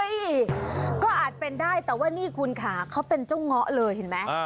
ก็อาจเป็นได้แต่ว่านี่คุณค่ะเขาเป็นเจ้าเงาะเลยเห็นไหม